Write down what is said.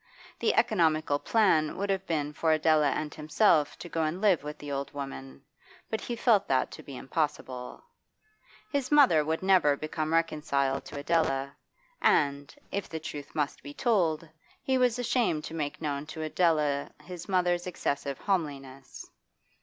The economical plan would have been for Adela and himself to go and live with the old woman, but he felt that to be impossible. His mother would never become reconciled to Adela, and, if the truth must be told, he was ashamed to make known to Adela his mother's excessive homeliness.